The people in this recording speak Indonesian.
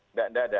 enggak ada kita